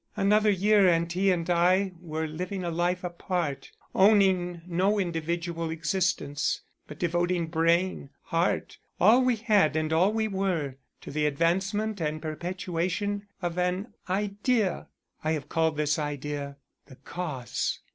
Another year and he and I were living a life apart, owning no individual existence but devoting brain, heart, all we had and all we were, to the advancement and perpetuation of an idea. I have called this idea the Cause.